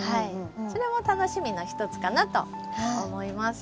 それも楽しみのひとつかなと思います。